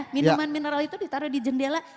minuman mineral itu ditaruh di jendela